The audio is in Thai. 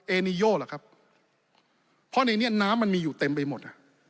เอนิโยล่ะครับเพราะในนี้น้ำมันมีอยู่เต็มไปหมดอ่ะ